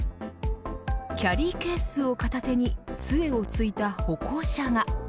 キャリーケースを片手につえをついた歩行者が。